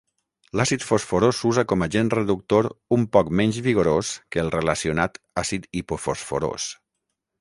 L'àcid fosforós s'usa com agent reductor un poc menys vigorós que el relacionat àcid hipofosforós.